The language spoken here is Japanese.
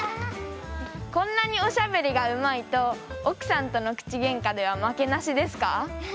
こんなにおしゃべりがうまいと奥さんとの口げんかでは負けなしですか？